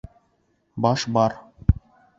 Баш бар.